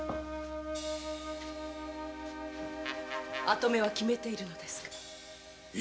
跡目は決めているのですか？